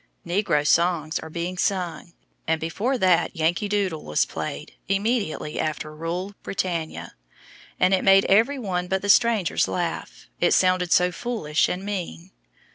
Negro songs are being sung, and before that "Yankee Doodle" was played immediately after "Rule Britannia," and it made every one but the strangers laugh, it sounded so foolish and mean.